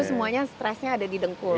semuanya stresnya ada di dengkul